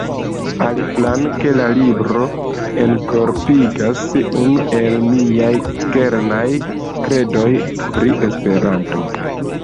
Aliflanke, la libro enkorpigas unu el miaj kernaj kredoj pri Esperanto.